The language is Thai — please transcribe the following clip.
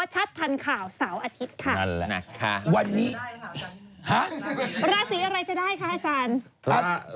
ใหม่